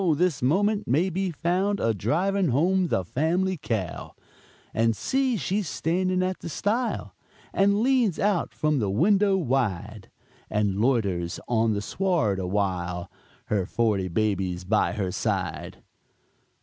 this moment may be found A driving home the family cow; "And see, she's standing at the stile, And leans from out the window wide, And loiters on the sward a while, Her forty babies by her side."